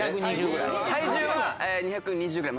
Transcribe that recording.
体重は２２０ぐらい。